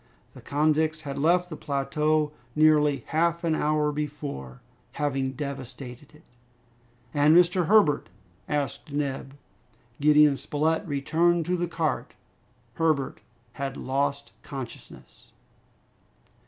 The convicts had left the plateau nearly half an hour before, having devastated it! "And Mr. Herbert?" asked Neb. Gideon Spilett returned to the cart. Herbert had lost consciousness!